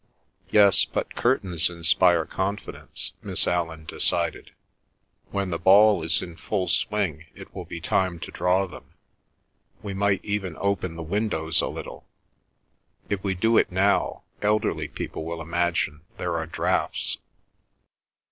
"Yes, but curtains inspire confidence," Miss Allan decided. "When the ball is in full swing it will be time to draw them. We might even open the windows a little. ... If we do it now elderly people will imagine there are draughts."